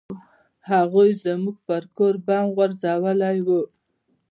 هغوى زموږ پر کور بم غورځولى و.